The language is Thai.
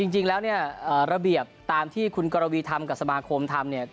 จริงแล้วระเบียบตามที่คุณกรวีทำกับสมาคมทำ